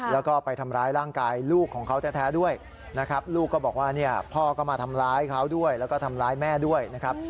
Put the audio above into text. แล้วก็ไปทำร้ายร่างกายลูกของเขาแท้ด้วยนะครับลูกก็บอกว่าเนี่ยพ่อก็มาทำร้ายเขาด้วยแล้วก็ทำร้ายแม่ด้วยนะครับ